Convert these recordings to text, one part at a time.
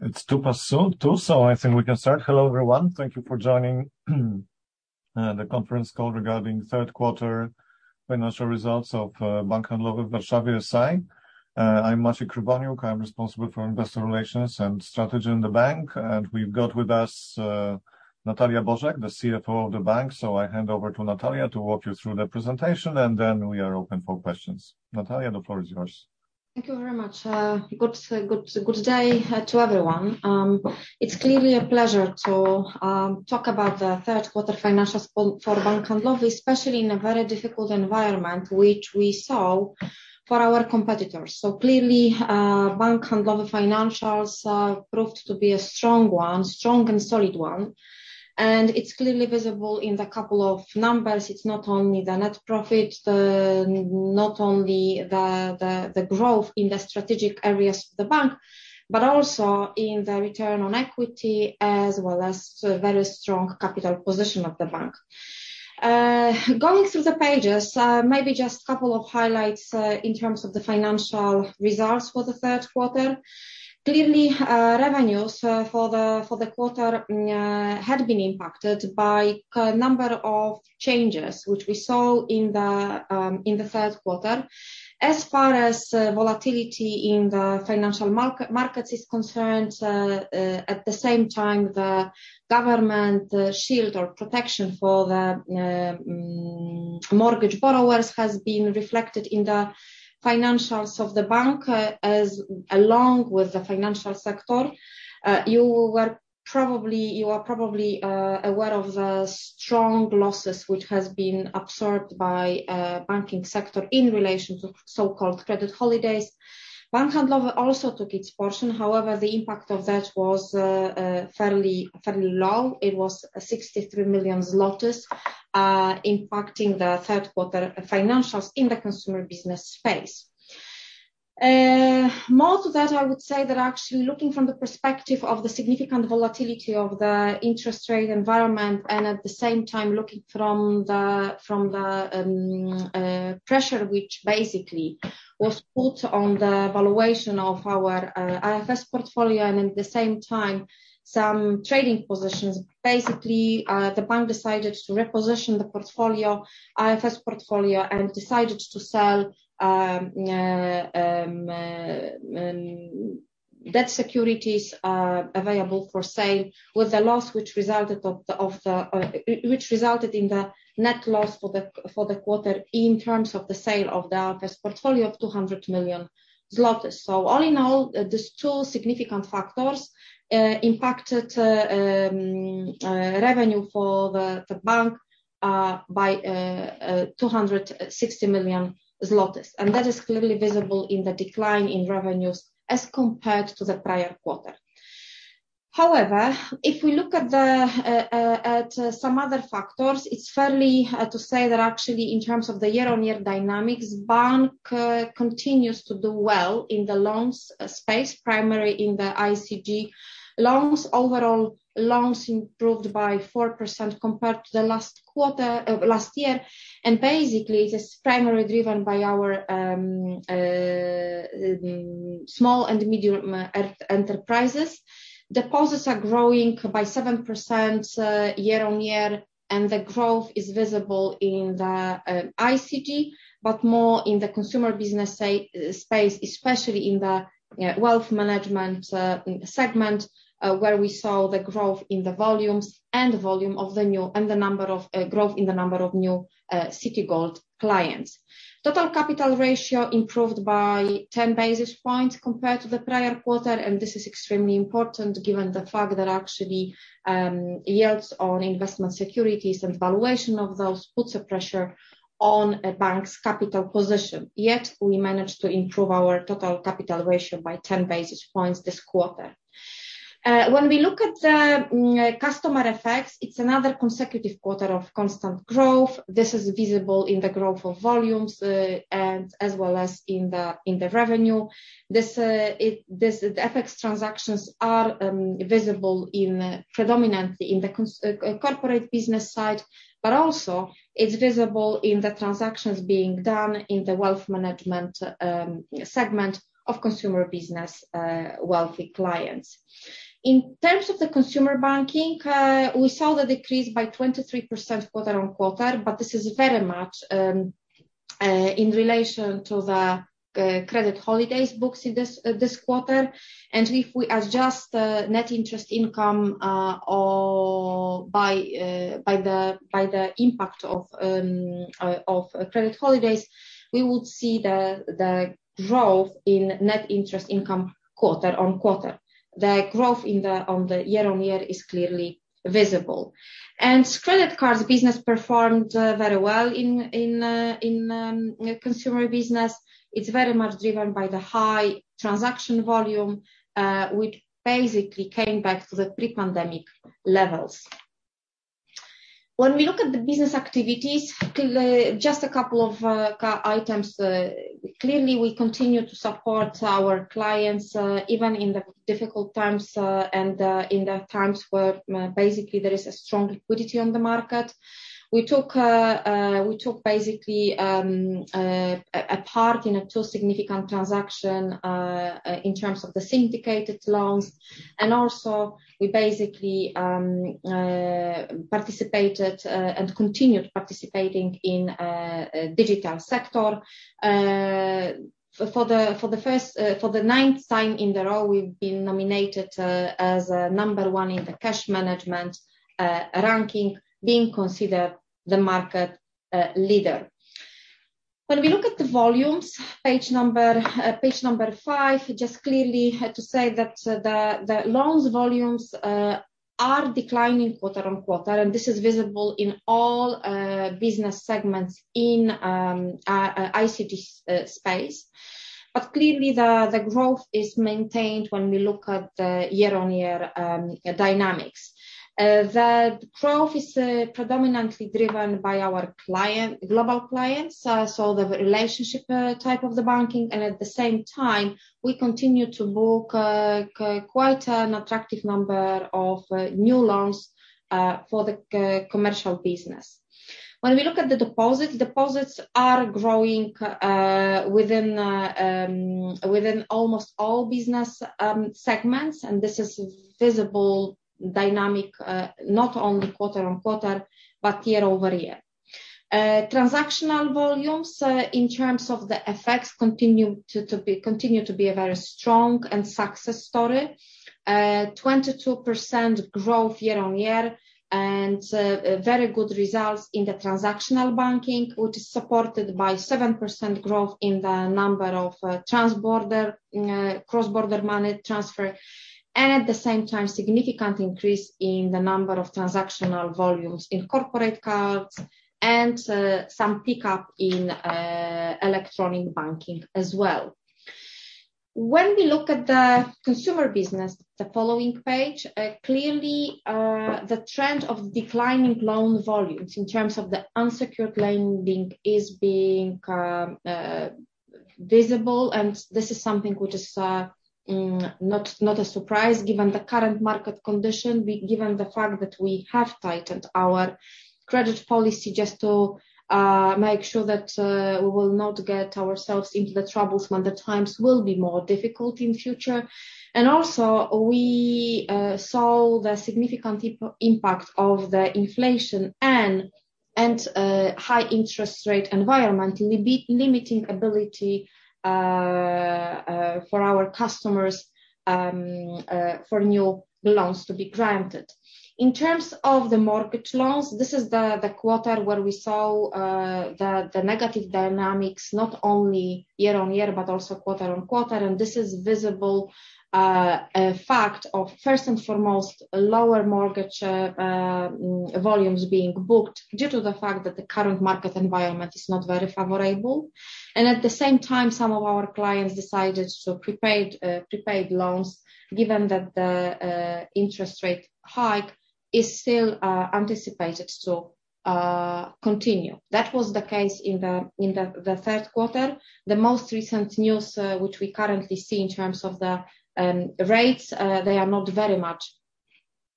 It's 2:02 P.M., so I think we can start. Hello, everyone. Thank you for joining the conference call regarding third quarter financial results of Bank Handlowy w Warszawie S.A. I'm Maciej Krywoniuk. I'm responsible for investor relations and strategy in the bank. We've got with us Natalia Bożek, the CFO of the bank. I hand over to Natalia to walk you through the presentation, and then we are open for questions. Natalia, the floor is yours. Thank you very much. Good day to everyone. It's clearly a pleasure to talk about the third quarter financials for Bank Handlowy, especially in a very difficult environment which we saw for our competitors. Clearly, Bank Handlowy financials proved to be a strong and solid one, and it's clearly visible in the couple of numbers. It's not only the net profit, not only the growth in the strategic areas of the bank, but also in the return on equity as well as a very strong capital position of the bank. Going through the pages, maybe just a couple of highlights in terms of the financial results for the third quarter. Clearly, revenues for the quarter had been impacted by a number of changes which we saw in the third quarter. As far as volatility in the financial markets is concerned, at the same time, the government shield or protection for the mortgage borrowers has been reflected in the financials of the bank, as well as the financial sector. You are probably aware of the strong losses, which has been absorbed by banking sector in relation to so-called credit holidays. Bank Handlowy also took its portion. However, the impact of that was fairly low. It was 63 million zlotys, impacting the third quarter financials in the consumer business space. More to that, I would say that actually looking from the perspective of the significant volatility of the interest rate environment and at the same time looking from the pressure, which basically was put on the valuation of our AFS portfolio and at the same time some trading positions. Basically, the bank decided to reposition the portfolio, AFS portfolio and decided to sell debt securities available for sale with a loss which resulted in the net loss for the quarter in terms of the sale of the AFS portfolio of 200 million zlotys. All in all, these two significant factors impacted revenue for the bank by 260 million zlotys. That is clearly visible in the decline in revenues as compared to the prior quarter. However, if we look at some other factors, it's fair to say that actually in terms of the year-on-year dynamics, bank continues to do well in the loans space, primarily in the ICG loans. Overall loans improved by 4% compared to last year, and basically it is primarily driven by our small and medium enterprises. Deposits are growing by 7% year-on-year, and the growth is visible in the ICG, but more in the consumer business space, especially in the wealth management segment, where we saw the growth in the number of new Citigold clients. Total capital ratio improved by 10 basis points compared to the prior quarter, and this is extremely important given the fact that yields on investment securities and valuation of those puts a pressure on a bank's capital position. Yet, we managed to improve our total capital ratio by 10 basis points this quarter. When we look at the customer FX, it's another consecutive quarter of constant growth. This is visible in the growth of volumes and as well as in the revenue. The FX transactions are visible predominantly in the corporate business side, but also it's visible in the transactions being done in the wealth management segment of consumer business, wealthy clients. In terms of the consumer banking, we saw the decrease by 23% quarter-on-quarter, but this is very much in relation to the credit holidays booked in this quarter. If we adjust the net interest income by the impact of credit holidays, we would see the growth in net interest income quarter-on-quarter. The growth on the year-on-year is clearly visible. Credit cards business performed very well in consumer business. It's very much driven by the high transaction volume, which basically came back to the pre-pandemic levels. When we look at the business activities, clearly just a couple of items. Clearly, we continue to support our clients, even in the difficult times, and in the times where basically there is a strong liquidity on the market. We took basically a part in two significant transactions in terms of the syndicated loans, and also we basically participated and continued participating in digital sector. For the ninth time in a row, we've been nominated as number one in the cash management ranking, being considered the market leader. When we look at the volumes, page number five, just clearly had to say that the loans volumes are declining quarter-on-quarter, and this is visible in all business segments in ICG space. Clearly the growth is maintained when we look at the year-on-year dynamics. The growth is predominantly driven by our clients, global clients, so the relationship type of the banking, and at the same time, we continue to book quite an attractive number of new loans for the commercial business. When we look at the deposits are growing within almost all business segments, and this is visible dynamic not only quarter-on-quarter, but year-over-year. Transactional volumes in terms of the FX continue to be a very strong success story. 22% growth year-on-year and very good results in the transactional banking, which is supported by 7% growth in the number of cross-border money transfer, and at the same time, significant increase in the number of transactional volumes in corporate cards and some pickup in electronic banking as well. When we look at the consumer business, the following page, clearly the trend of declining loan volumes in terms of the unsecured lending is being visible, and this is something which is not a surprise given the current market condition, given the fact that we have tightened our credit policy just to make sure that we will not get ourselves into the troubles when the times will be more difficult in future. We saw the significant impact of the inflation and high interest rate environment limiting ability for our customers for new loans to be granted. In terms of the mortgage loans, this is the quarter where we saw the negative dynamics, not only year-on-year, but also quarter-on-quarter. This is visible fact of first and foremost, lower mortgage volumes being booked due to the fact that the current market environment is not very favorable. At the same time, some of our clients decided to prepaid loans, given that the interest rate hike is still anticipated to continue. That was the case in the third quarter. The most recent news, which we currently see in terms of the rates, they are not very much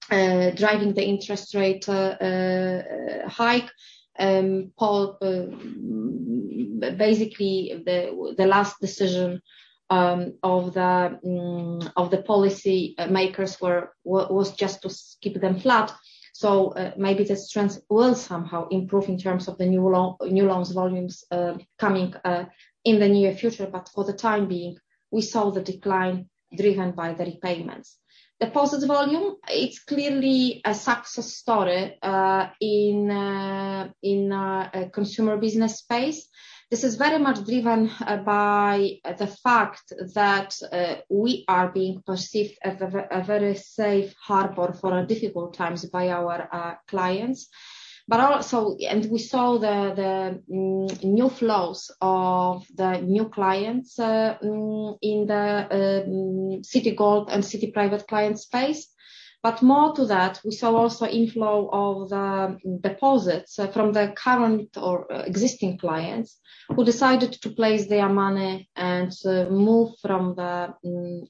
driving the interest rate hike. Basically the last decision of the policy makers was just to keep them flat. Maybe the trends will somehow improve in terms of the new loans volumes coming in the near future, but for the time being, we saw the decline driven by the repayments. Deposit volume, it's clearly a success story in consumer business space. This is very much driven by the fact that we are being perceived as a very safe harbor for our difficult times by our clients. We saw the new flows of the new clients in the Citigold and Citigold Private Client space. More to that, we saw also inflow of the deposits from the current or existing clients who decided to place their money and move from the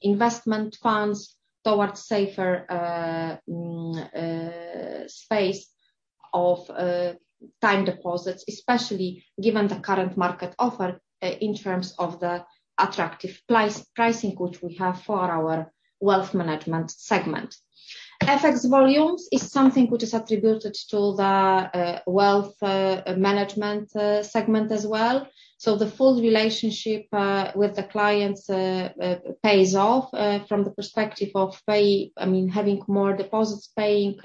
investment funds towards safer space of time deposits, especially given the current market offer in terms of the attractive pricing which we have for our wealth management segment. FX volumes is something which is attributed to the wealth management segment as well. The full relationship with the clients pays off from the perspective of pay, I mean, having more deposits, paying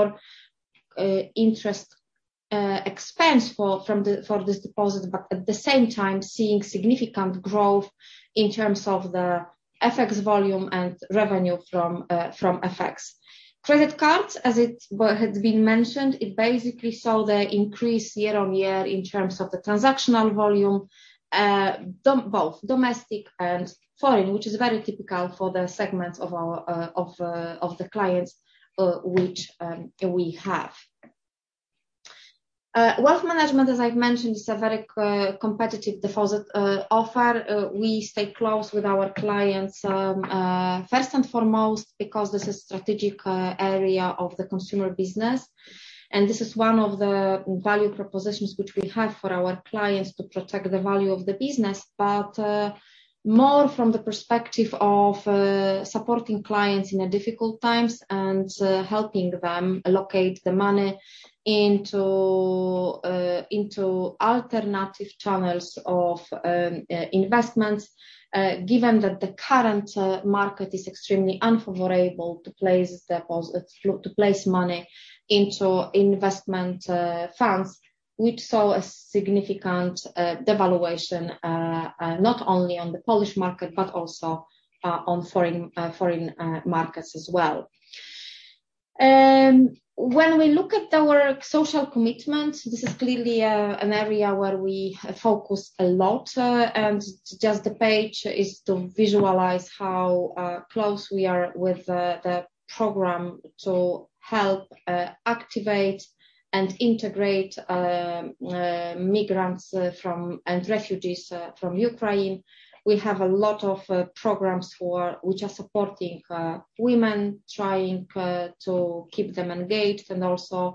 more interest expense for this deposit, but at the same time seeing significant growth in terms of the FX volume and revenue from FX. Credit cards, as it had been mentioned, basically saw the increase year-over-year in terms of the transactional volume both domestic and foreign, which is very typical for the segments of our clients which we have. Wealth management, as I've mentioned, is a very competitive deposit offer. We stay close with our clients, first and foremost, because this is strategic area of the consumer business, and this is one of the value propositions which we have for our clients to protect the value of the business. More from the perspective of supporting clients in the difficult times and helping them allocate the money into alternative channels of investments given that the current market is extremely unfavorable to place money into investment funds. We saw a significant devaluation not only on the Polish market, but also on foreign markets as well. When we look at our social commitment, this is clearly an area where we focus a lot, and just the page is to visualize how close we are with the program to help activate and integrate migrants and refugees from Ukraine. We have a lot of programs which are supporting women, trying to keep them engaged and also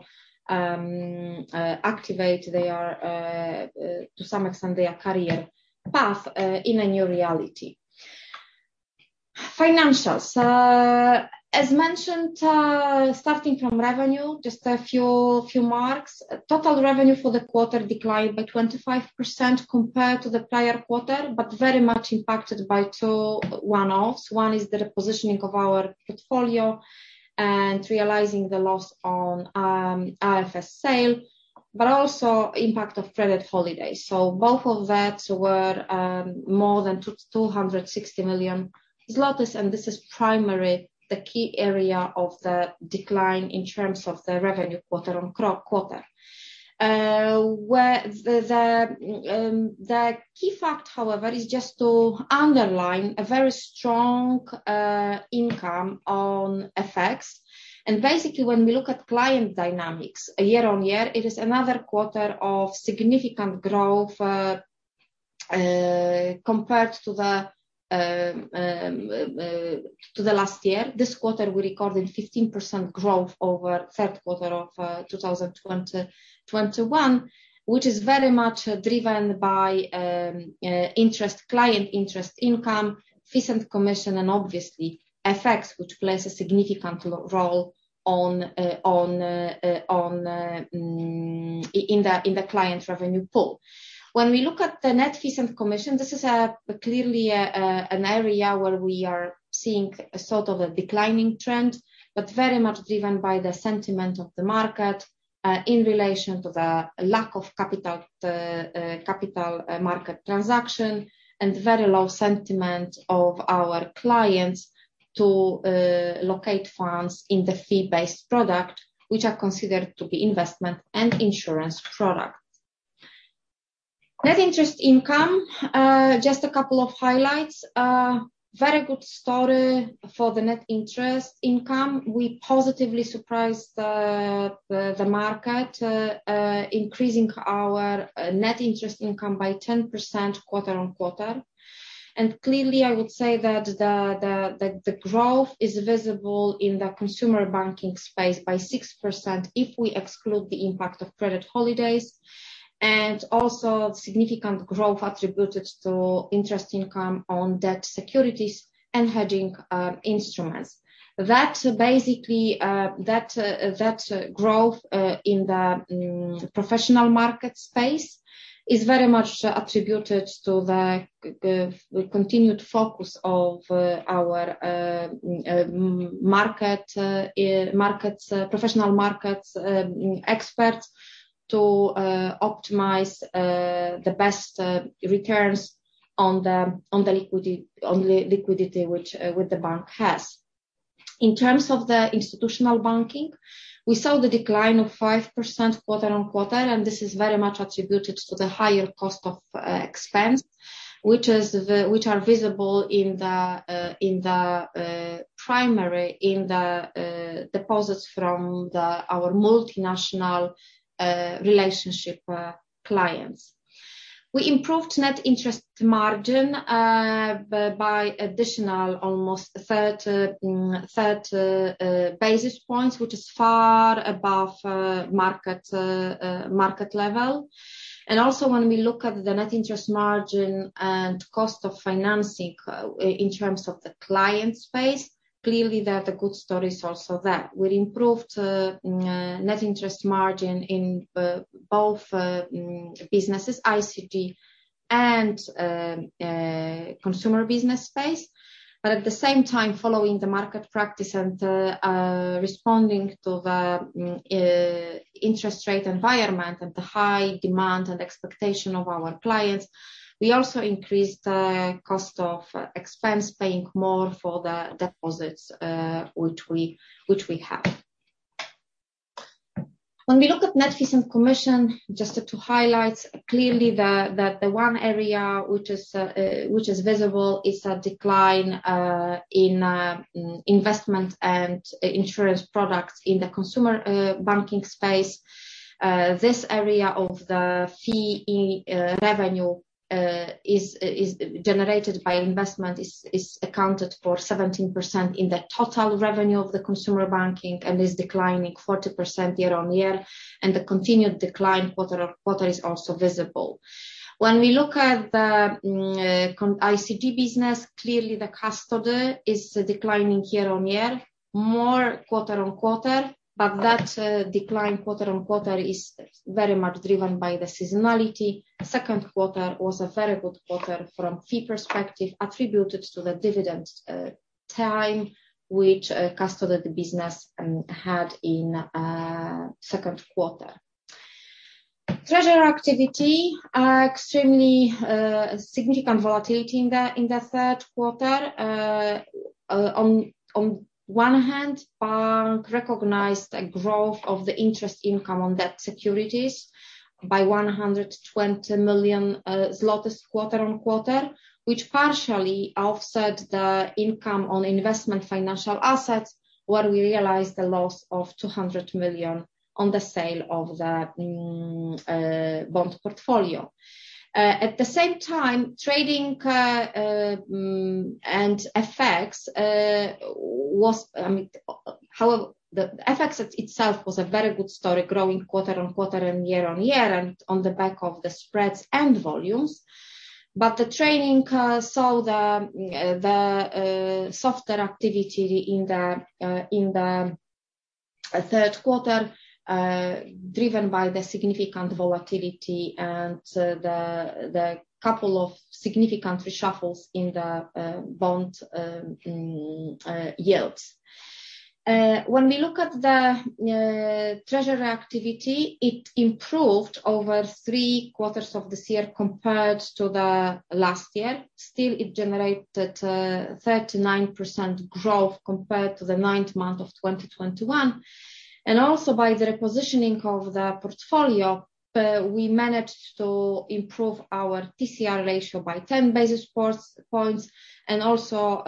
activate their career path to some extent in a new reality. Financials. As mentioned, starting from revenue, just a few marks. Total revenue for the quarter declined by 25% compared to the prior quarter, but very much impacted by two one-offs. One is the repositioning of our portfolio and realizing the loss on AFS sale, but also impact of credit holidays. Both of that were more than 260 million, and this is primarily the key area of the decline in terms of the revenue quarter-on-quarter. Where the key fact, however, is just to underline a very strong income on FX. Basically, when we look at client dynamics year-on-year, it is another quarter of significant growth compared to the last year. This quarter, we recorded 15% growth over third quarter of 2021, which is very much driven by interest, client interest income, fees and commission, and obviously FX, which plays a significant role in the client revenue pool. When we look at the net fees and commission, this is clearly an area where we are seeing a sort of a declining trend, but very much driven by the sentiment of the market in relation to the lack of capital market transaction and very low sentiment of our clients to locate funds in the fee-based product, which are considered to be investment and insurance product. Net interest income, just a couple of highlights. Very good story for the net interest income. We positively surprised the market, increasing our net interest income by 10% quarter-on-quarter. Clearly, I would say that the growth is visible in the consumer banking space by 6% if we exclude the impact of credit holidays, and also significant growth attributed to interest income on debt securities and hedging instruments. That basically, that growth in the professional market space is very much attributed to the continued focus of our professional markets experts to optimize the best returns on the liquidity which the bank has. In terms of the institutional banking, we saw the decline of 5% quarter-on-quarter, and this is very much attributed to the higher cost of funds, which are visible primarily in the deposits from our multinational relationship clients. We improved net interest margin by additional almost 30 basis points, which is far above market level. Also when we look at the net interest margin and cost of financing, in terms of the client space, clearly the good story is also there. We improved net interest margin in both businesses, ICG and consumer business space. At the same time, following the market practice and responding to the interest rate environment and the high demand and expectation of our clients, we also increased the cost of expense, paying more for the deposits, which we have. When we look at net fees and commission, just to highlight clearly that the one area which is visible is a decline in investment and insurance products in the consumer banking space. This area of the fee revenue is generated by investment and insurance and is accounted for 17% in the total revenue of the consumer banking and is declining 40% year-on-year, and the continued decline quarter-on-quarter is also visible. When we look at the ICG business, clearly the custody is declining year-on-year, more quarter-on-quarter, but that decline quarter-on-quarter is very much driven by the seasonality. Second quarter was a very good quarter from fee perspective attributed to the dividends time which custody business had in second quarter. Treasury activity are extremely significant volatility in the third quarter. On one hand, bank recognized a growth of the interest income on debt securities by 120 million zlotys quarter-on-quarter, which partially offset the income on investment financial assets, where we realized a loss of 200 million on the sale of the bond portfolio. At the same time, trading and FX was, however, the FX itself was a very good story growing quarter-on-quarter and year-on-year, and on the back of the spreads and volumes. The trading saw the softer activity in the third quarter, driven by the significant volatility and the couple of significant reshuffles in the bond yields. When we look at the treasury activity, it improved over three quarters of this year compared to the last year. Still, it generated 39% growth compared to the ninth month of 2021. Also by the repositioning of the portfolio, we managed to improve our TCR ratio by 10 basis points and also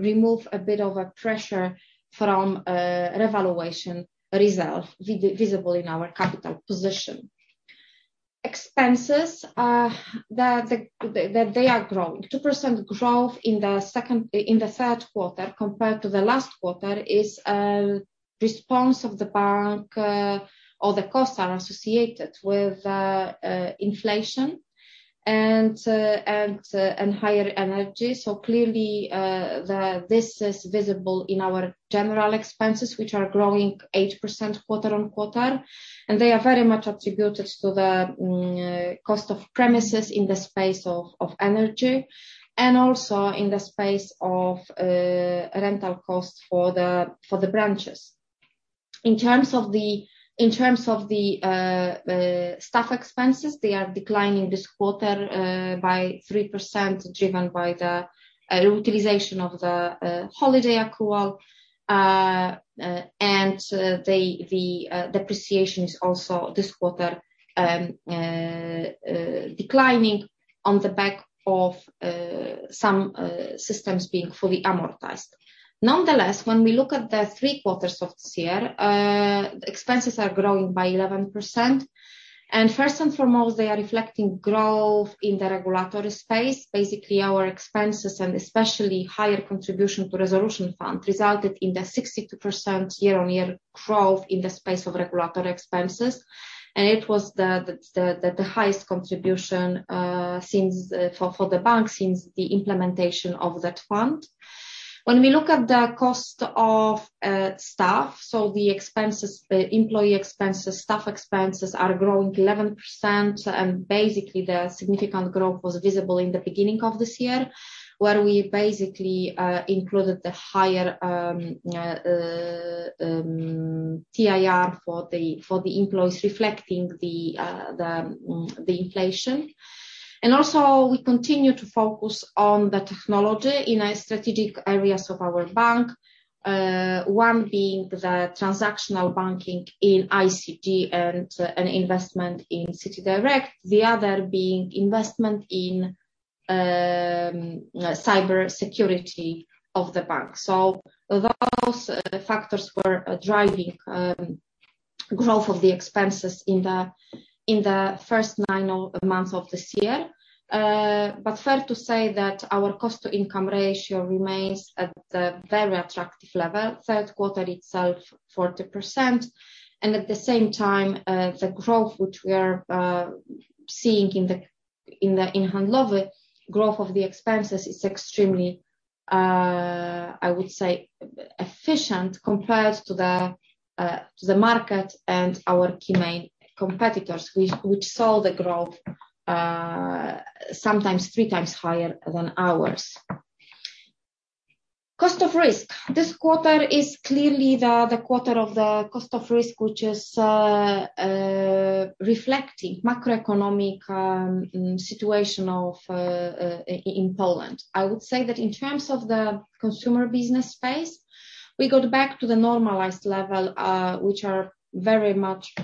remove a bit of a pressure from revaluation reserve visible in our capital position. Expenses are growing. 2% growth in the third quarter compared to the last quarter is a response of the bank, or the costs are associated with inflation and higher energy. Clearly, this is visible in our general expenses, which are growing 8% quarter-on-quarter, and they are very much attributed to the cost of premises in the space of energy and also in the space of rental costs for the branches. In terms of the staff expenses, they are declining this quarter by 3%, driven by the utilization of the holiday accrual. The depreciation is also this quarter declining on the back of some systems being fully amortized. Nonetheless, when we look at the three quarters of this year, expenses are growing by 11%. First and foremost, they are reflecting growth in the regulatory space. Basically, our expenses, and especially higher contribution to resolution fund, resulted in the 62% year-on-year growth in the space of regulatory expenses. It was the highest contribution since for the bank since the implementation of that fund. When we look at the cost of staff, so the expenses, the employee expenses, staff expenses are growing 11%, and basically the significant growth was visible in the beginning of this year, where we basically included the higher TIR for the employees reflecting the inflation. We continue to focus on the technology in our strategic areas of our bank, one being the transactional banking in ICG and an investment in CitiDirect, the other being investment in cybersecurity of the bank. Those factors were driving growth of the expenses in the first nine months of this year. Fair to say that our cost-to-income ratio remains at the very attractive level. Third quarter itself, 40%. At the same time, the growth which we are seeing in the income level, growth of the expenses is extremely, I would say efficient compared to the market and our key main competitors, which saw the growth sometimes three times higher than ours. Cost of risk. This quarter is clearly the quarter of the cost of risk, which is reflecting macroeconomic situation in Poland. I would say that in terms of the consumer business space, we got back to the normalized level, which are very much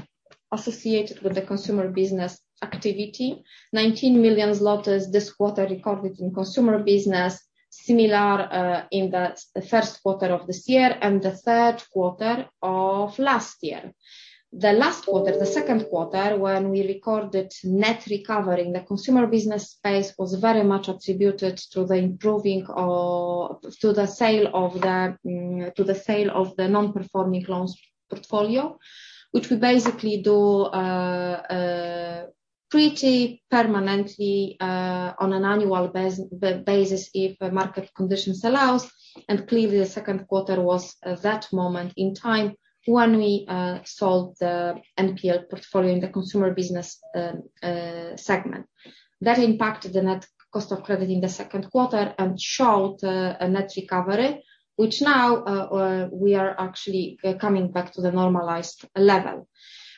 associated with the consumer business activity. 19 million zlotys this quarter recorded in consumer business. Similar in the first quarter of this year and the third quarter of last year. The last quarter, the second quarter, when we recorded net recovery in the consumer business space, was very much attributed to the sale of the non-performing loans portfolio. Which we basically do pretty permanently on an annual basis if market conditions allows, and clearly the second quarter was that moment in time when we sold the NPL portfolio in the consumer business segment. That impacted the net cost of credit in the second quarter and showed a net recovery, which now we are actually coming back to the normalized level.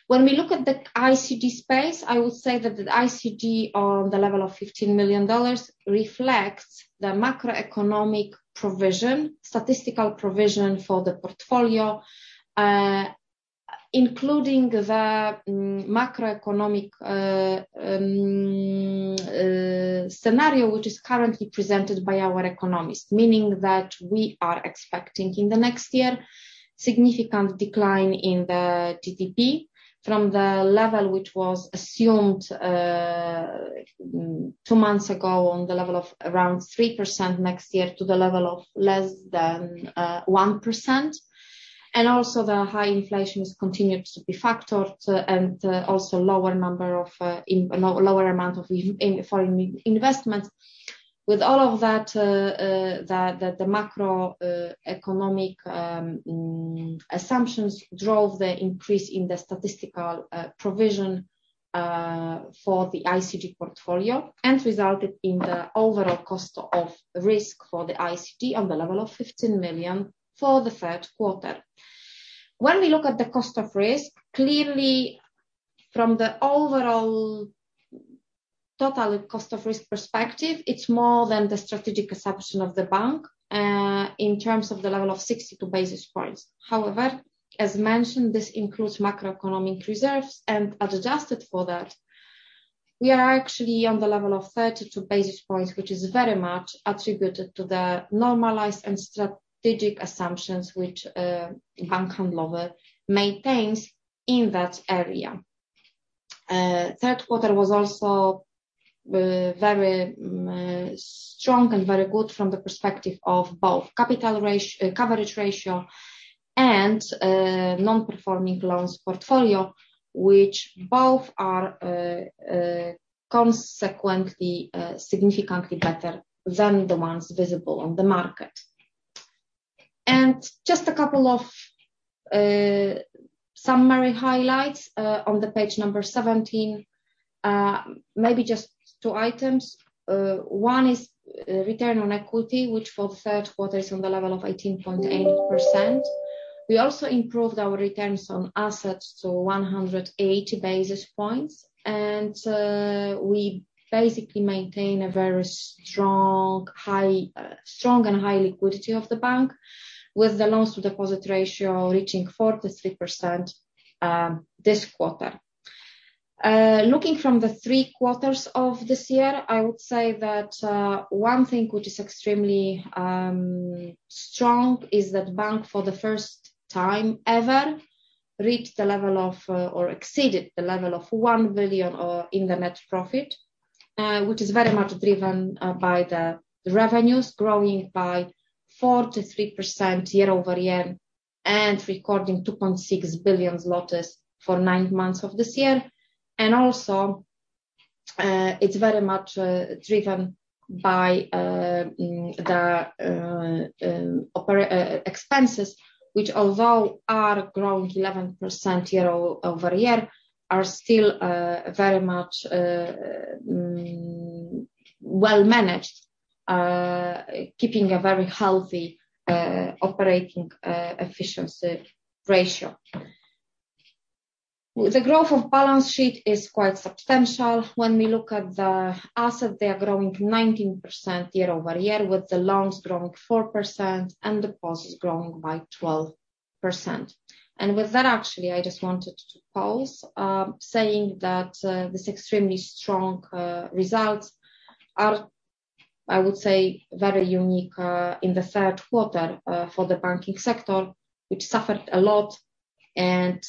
When we look at the ICG space, I would say that the ICG on the level of PLN 15 million reflects the macroeconomic provision, statistical provision for the portfolio, including the macroeconomic scenario, which is currently presented by our economist. Meaning that we are expecting in the next year significant decline in the GDP from the level which was assumed two months ago on the level of around 3% next year to the level of less than 1%. Also the high inflation is continued to be factored, and also lower amount of foreign investments. With all of that, the macroeconomic assumptions drove the increase in the statistical provision for the ICD portfolio and resulted in the overall cost of risk for the ICD on the level of 15 million for the third quarter. When we look at the cost of risk, clearly from the overall total cost of risk perspective, it's more than the strategic assumption of the bank in terms of the level of 62 basis points. However, as mentioned, this includes macroeconomic reserves, and adjusted for that, we are actually on the level of 32 basis points, which is very much attributed to the normalized and strategic assumptions which Bank Handlowy maintains in that area. Third quarter was also very strong and very good from the perspective of both capital ratio, coverage ratio, and non-performing loans portfolio, which both are consequently significantly better than the ones visible on the market. Just a couple of summary highlights on page 17. Maybe just two items. One is return on equity, which for third quarter is on the level of 18.8%. We also improved our return on assets to 180 basis points. We basically maintain a very strong, high, strong and high liquidity of the bank, with the loan-to-deposit ratio reaching 43%, this quarter. Looking at the three quarters of this year, I would say that one thing which is extremely strong is that bank, for the first time ever, reached the level of or exceeded the level of 1 billion in the net profit. Which is very much driven by the revenues growing by 43% year-over-year and recording 2.6 billion for nine months of this year. It's very much driven by the operating expenses, which although are grown 11% year-over-year, are still very much well managed, keeping a very healthy operating efficiency ratio. The growth of balance sheet is quite substantial. When we look at the assets, they are growing 19% year-over-year, with the loans growing 4% and deposits growing by 12%. With that, actually, I just wanted to pause saying that this extremely strong results are, I would say, very unique in the third quarter for the banking sector, which suffered a lot and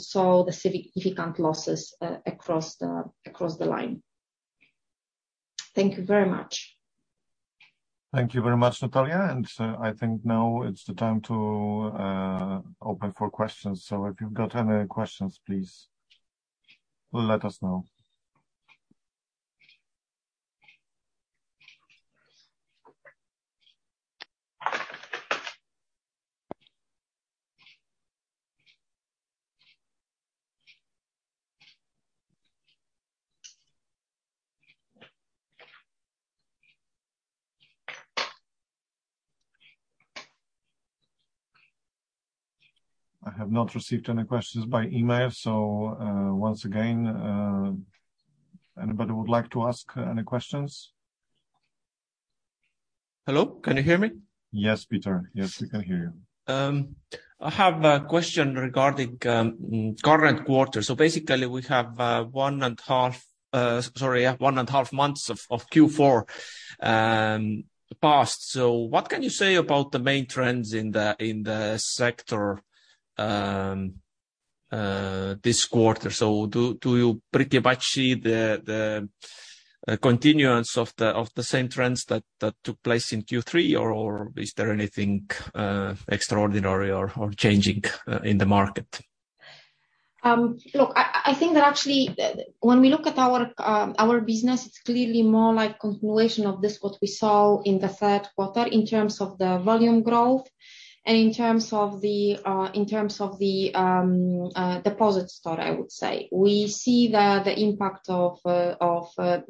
saw the significant losses across the line. Thank you very much. Thank you very much, Natalia. I think now it's the time to open for questions. If you've got any questions, please let us know. I have not received any questions by email, so once again, anybody would like to ask any questions? Hello, can you hear me? Yes, Peter. Yes, we can hear you. I have a question regarding current quarter. Basically we have 1.5 months of Q4 passed. What can you say about the main trends in the sector this quarter? Do you pretty much see the continuance of the same trends that took place in Q3? Or is there anything extraordinary or changing in the market? Look, I think that actually, when we look at our business, it's clearly more like continuation of this, what we saw in the third quarter in terms of the volume growth and in terms of the deposit story, I would say. We see the impact of credit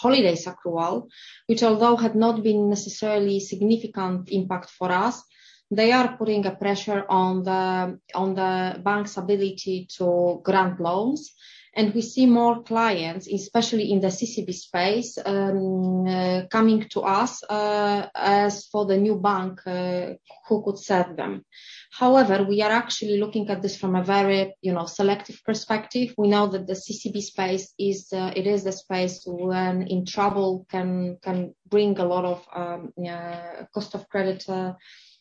holidays, which although had not been necessarily significant impact for us, they are putting a pressure on the bank's ability to grant loans. We see more clients, especially in the CCB space, coming to us as the new bank who could serve them. However, we are actually looking at this from a very, you know, selective perspective. We know that the CCB space is the space when in trouble can bring a lot of cost of credit.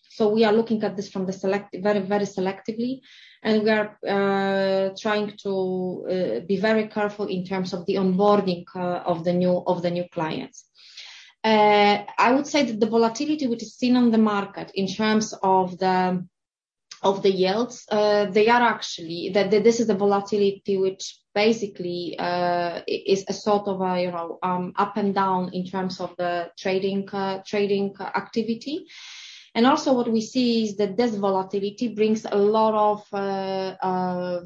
So we are looking at this very, very selectively, and we are trying to be very careful in terms of the onboarding of the new clients. I would say that the volatility which is seen on the market in terms of the yields. This is the volatility which basically is a sort of a, you know, up and down in terms of the trading activity. Also what we see is that this volatility brings a lot of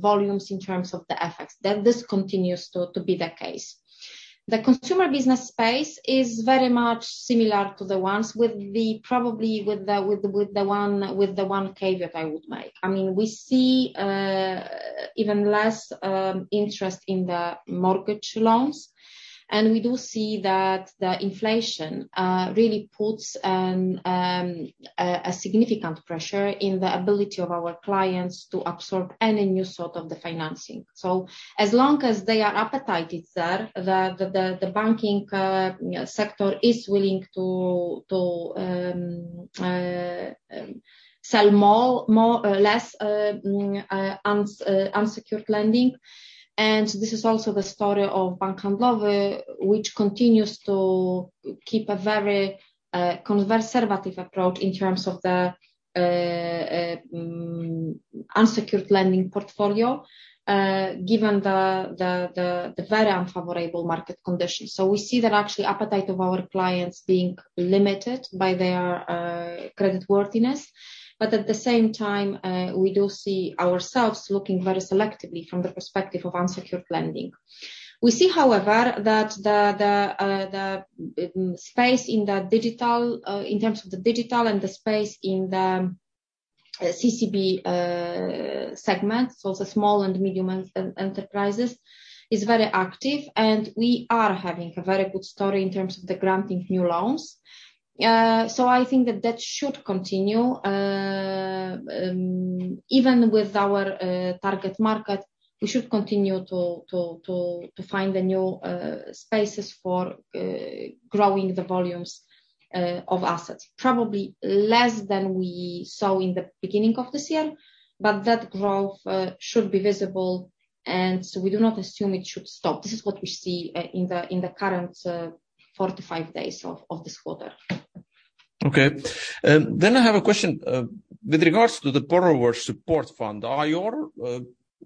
volumes in terms of the FX. This continues to be the case. The consumer business space is very much similar to the ones with the one caveat I would make. I mean, we see even less interest in the mortgage loans. We do see that the inflation really puts a significant pressure on the ability of our clients to absorb any new sort of the financing. As long as the appetite is there, the banking sector is willing to sell less unsecured lending. This is also the story of Bank Handlowy, which continues to keep a very conservative approach in terms of the unsecured lending portfolio, given the very unfavorable market conditions. We see that actually appetite of our clients being limited by their creditworthiness, but at the same time, we do see ourselves looking very selectively from the perspective of unsecured lending. We see, however, that the space in the digital in terms of the digital and the space in the CCB segment, so the small and medium enterprises, is very active, and we are having a very good story in terms of the granting of new loans. I think that should continue even with our target market, we should continue to find the new spaces for growing the volumes of assets. Probably less than we saw in the beginning of this year, but that growth should be visible, and we do not assume it should stop. This is what we see in the current 45 days of this quarter. Okay. I have a question with regards to the Borrower Support Fund. Are your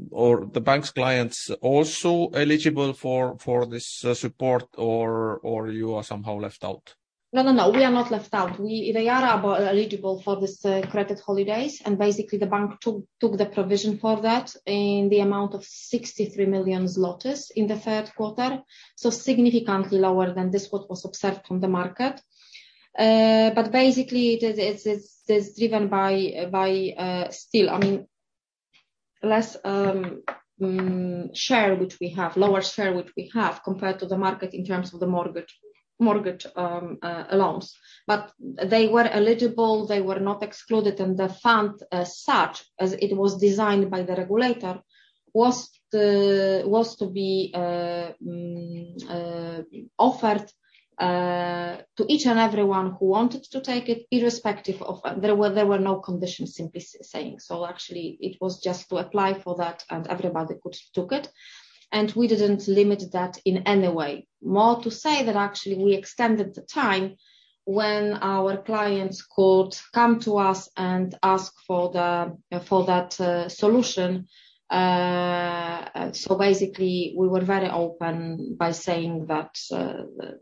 or the bank's clients also eligible for this support, or you are somehow left out? No, no. We are not left out. They are also eligible for this credit holidays, and basically the bank took the provision for that in the amount of 63 million zlotys in the third quarter, so significantly lower than what was observed on the market. But basically it is driven by still, I mean, less share which we have, lower share which we have compared to the market in terms of the mortgage loans. They were eligible, they were not excluded. The fund as such, as it was designed by the regulator, was to be offered to each and everyone who wanted to take it, irrespective of. There were no conditions simply saying. Actually it was just to apply for that and everybody could took it. We didn't limit that in any way. More to say that actually we extended the time when our clients could come to us and ask for that solution. Basically, we were very open by saying that they can use or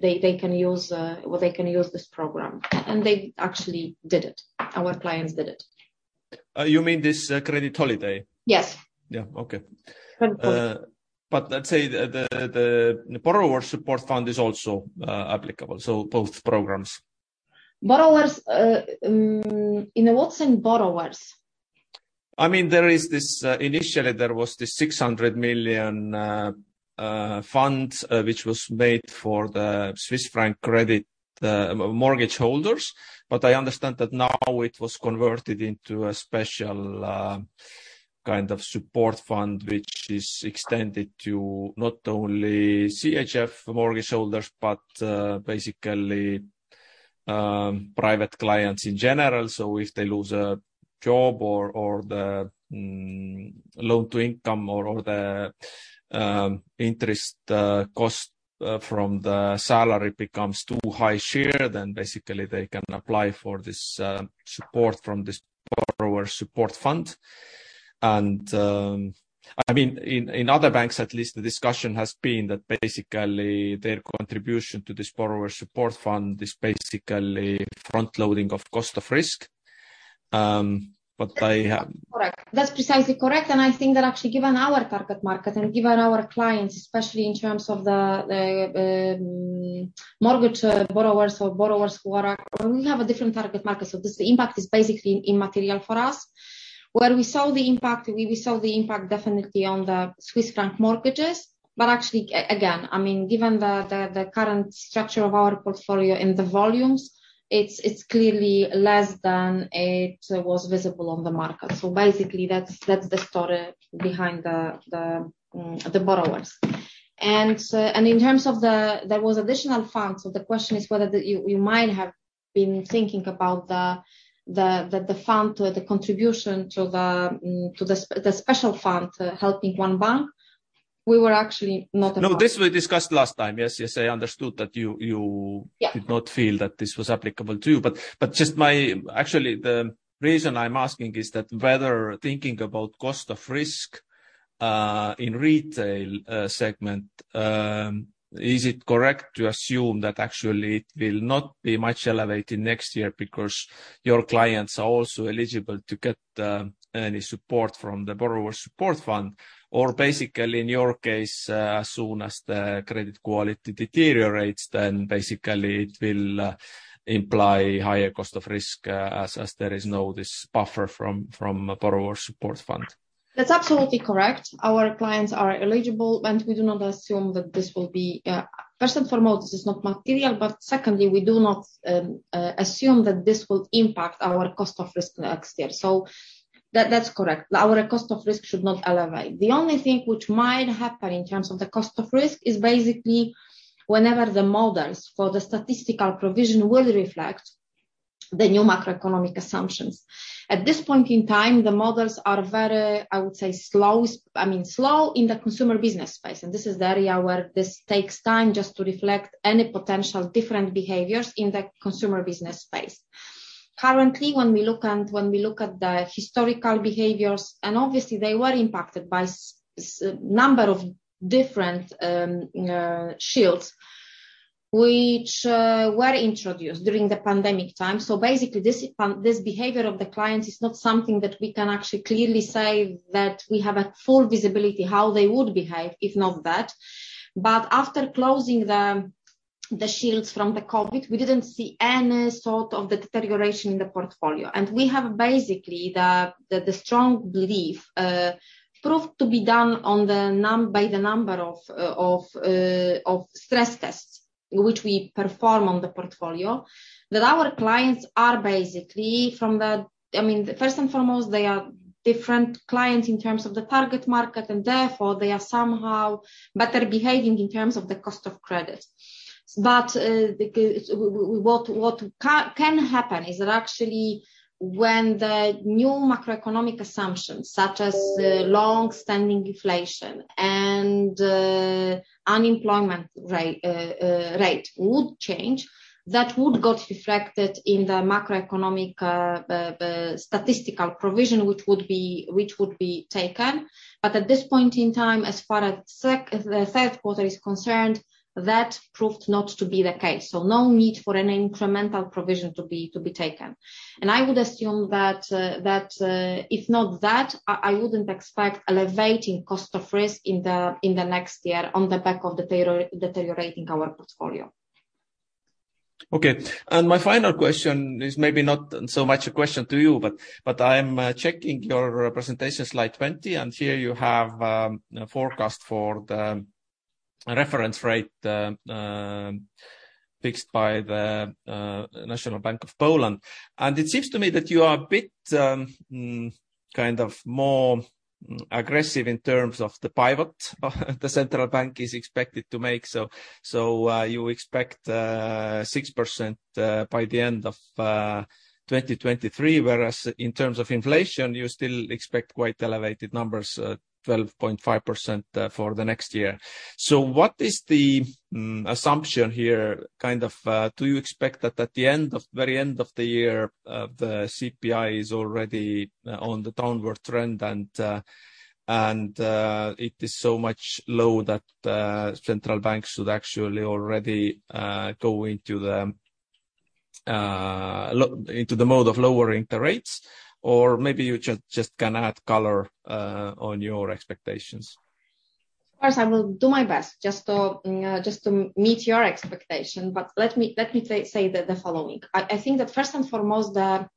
they can use this program. They actually did it. Our clients did it. You mean this credit holiday? Yes. Yeah. Okay. 100%. Let's say the Borrower Support Fund is also applicable, so both programs. Borrowers, in what sense borrowers? I mean, there is this, initially there was this 600 million fund, which was made for the Swiss franc credit mortgage holders. I understand that now it was converted into a special kind of support fund, which is extended to not only CHF mortgage holders, but basically private clients in general. If they lose a job or the loan to income or the interest cost from the salary becomes too high share, then basically they can apply for this support from this Borrower Support Fund. I mean, in other banks, at least, the discussion has been that basically their contribution to this Borrower Support Fund is basically front-loading of cost of risk. Correct. That's precisely correct. I think that actually given our target market and given our clients, especially in terms of mortgage borrowers or borrowers. We have a different target market. The impact is basically immaterial for us. Where we saw the impact definitely on the Swiss franc mortgages. Actually, I mean, given the current structure of our portfolio and the volumes, it's clearly less than it was visible on the market. Basically that's the story behind the borrowers. In terms of the. There was additional funds. The question is whether you might have been thinking about the fund or the contribution to the special fund helping one bank. We were actually not a part. No, this we discussed last time. Yes, I understood that you- Yeah. did not feel that this was applicable to you. Actually, the reason I'm asking is that whether thinking about cost of risk in retail segment, is it correct to assume that actually it will not be much elevated next year because your clients are also eligible to get any support from the Borrower Support Fund? Or basically, in your case, as soon as the credit quality deteriorates, then basically it will imply higher cost of risk, as there is no this buffer from Borrower Support Fund. That's absolutely correct. Our clients are eligible, and we do not assume that this will be. First and foremost, this is not material, but secondly, we do not assume that this will impact our cost of risk next year. That, that's correct. Our cost of risk should not elevate. The only thing which might happen in terms of the cost of risk is basically whenever the models for the statistical provision will reflect the new macroeconomic assumptions. At this point in time, the models are very, I would say, I mean, slow in the consumer business space, and this is the area where this takes time just to reflect any potential different behaviors in the consumer business space. Currently, when we look at the historical behaviors, and obviously they were impacted by a number of different shields which were introduced during the pandemic time. Basically, this behavior of the clients is not something that we can actually clearly say that we have a full visibility how they would behave, if not that. After closing the shields from the COVID, we didn't see any sort of deterioration in the portfolio. We have basically the strong belief, proved by the number of stress tests which we perform on the portfolio, that our clients are basically from the. I mean, first and foremost, they are different clients in terms of the target market, and therefore they are somehow better behaving in terms of the cost of credits. What can happen is that actually when the new macroeconomic assumptions such as longstanding inflation and unemployment rate would change, that would got reflected in the macroeconomic statistical provision, which would be taken. At this point in time, as far as the third quarter is concerned, that proved not to be the case. No need for any incremental provision to be taken. I would assume that if not that, I wouldn't expect elevating cost of risk in the next year on the back of the deteriorating our portfolio. Okay. My final question is maybe not so much a question to you, but I'm checking your presentation slide 20, and here you have a forecast for the reference rate fixed by the National Bank of Poland. It seems to me that you are a bit kind of more aggressive in terms of the pivot the central bank is expected to make. You expect 6% by the end of 2023, whereas in terms of inflation, you still expect quite elevated numbers, 12.5% for the next year. What is the assumption here, kind of, do you expect that at the very end of the year, the CPI is already on the downward trend and it is so low that central banks should actually already go into the mode of lowering the rates? Or maybe you just can add color on your expectations. Of course, I will do my best just to meet your expectation. Let me say the following. I think that first and foremost, there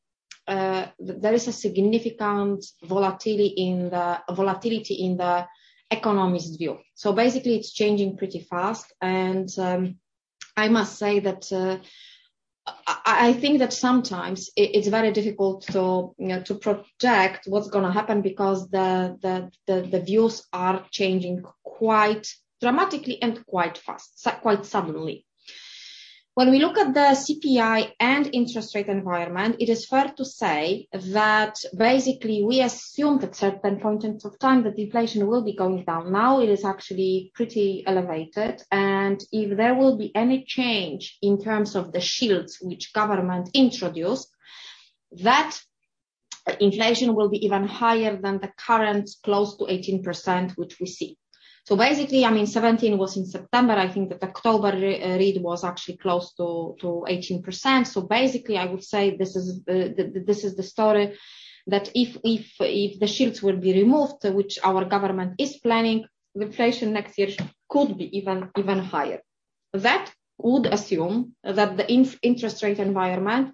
is a significant volatility in the economist view. Basically it's changing pretty fast. I must say that I think that sometimes it's very difficult to, you know, to project what's gonna happen because the views are changing quite dramatically and quite fast, quite suddenly. When we look at the CPI and interest rate environment, it is fair to say that basically we assume that certain point of time the inflation will be going down. Now it is actually pretty elevated. If there will be any change in terms of the shields which government introduced, that inflation will be even higher than the current close to 18% which we see. Basically, I mean 17 was in September. I think the October re-read was actually close to 18%. Basically I would say this is the story, that if the shields will be removed, which our government is planning, the inflation next year could be even higher. That would assume that the interest rate environment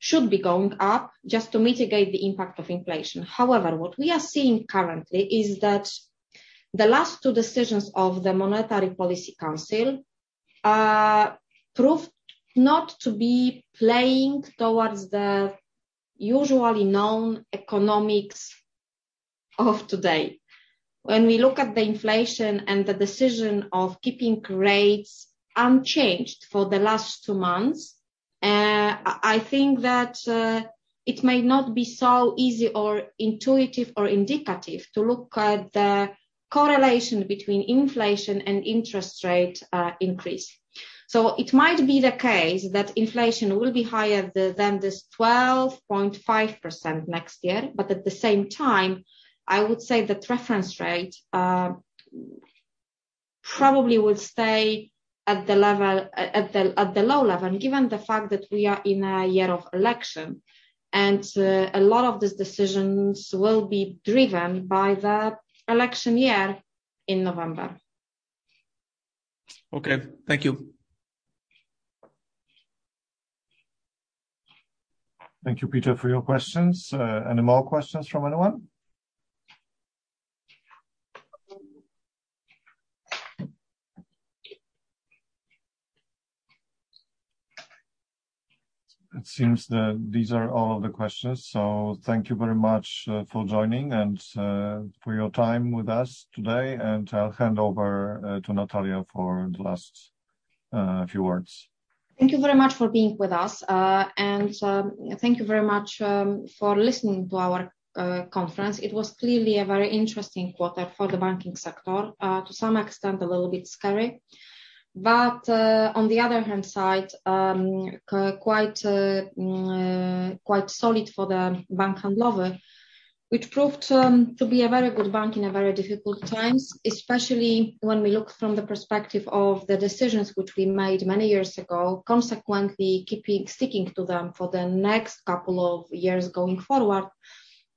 should be going up just to mitigate the impact of inflation. However, what we are seeing currently is that the last two decisions of the Monetary Policy Council proved not to be playing towards the usually known economics of today. When we look at the inflation and the decision of keeping rates unchanged for the last two months, I think that it may not be so easy or intuitive or indicative to look at the correlation between inflation and interest rate increase. It might be the case that inflation will be higher than this 12.5% next year. At the same time, I would say that reference rate probably will stay at the low level, given the fact that we are in a year of election, and a lot of these decisions will be driven by the election year in November. Okay. Thank you. Thank you, Peter, for your questions. Any more questions from anyone? It seems that these are all the questions, so thank you very much for joining and for your time with us today. I'll hand over to Natalia for the last few words. Thank you very much for being with us. Thank you very much for listening to our conference. It was clearly a very interesting quarter for the banking sector, to some extent, a little bit scary, but, on the other hand side, quite solid for the Bank Handlowy, which proved to be a very good bank in very difficult times, especially when we look from the perspective of the decisions which we made many years ago, consequently keeping, sticking to them for the next couple of years going forward,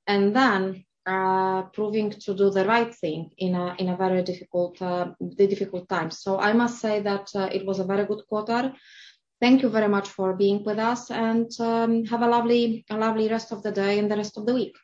and then, proving to do the right thing in very difficult times. I must say that it was a very good quarter. Thank you very much for being with us and have a lovely rest of the day and the rest of the week.